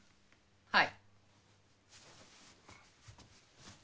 はい。